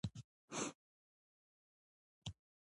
لاندینۍ برخې یې د بطنونو په نامه یادېږي.